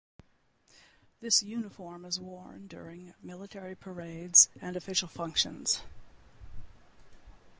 This uniform is worn during military parades and official functions.